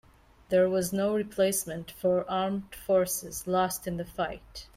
There was no replacement for armed forces lost in the fight.